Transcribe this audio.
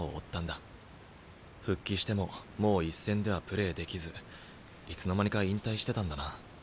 復帰してももう一線ではプレーできずいつの間にか引退してたんだな。